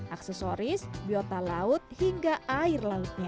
aksesoris biota laut hingga air lautnya